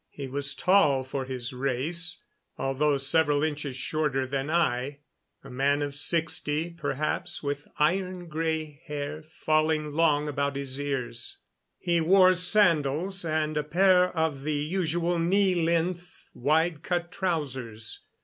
He was tall for his race, although several inches shorter than I, a man of sixty, perhaps, with iron gray hair falling long about his ears. He wore sandals and a pair of the usual knee length, wide cut trousers.